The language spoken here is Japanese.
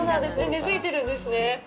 根づいてるんですね。